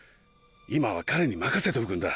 今は彼に任せておくんだ。